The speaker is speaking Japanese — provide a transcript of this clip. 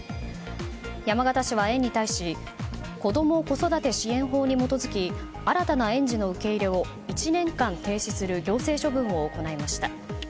山形市は、園に対し子ども・子育て支援法に基づき新たな園児の受け入れを１年間停止する行政処分を行いました。